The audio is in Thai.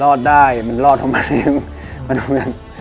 รอดได้มันรอดเพราะมันยัง